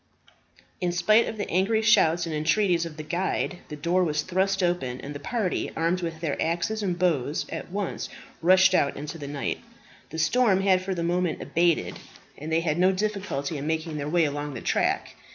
In spite of the angry shouts and entreaties of the guide, the door thrust open, and the party, armed with their axes and bows, at once rushed out into the night. The storm had for the moment abated and they had no difficulty in making their way along the track.